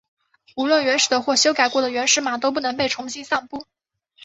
无论原始的或修改过的原始码都不能被重新散布。